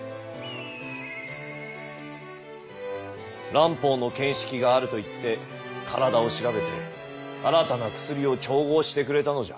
蘭方の見識があるといって体を調べて新たな薬を調合してくれたのじゃ。